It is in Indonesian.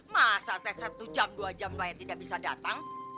masa tati satu jam dua jam pak haji tidak bisa datang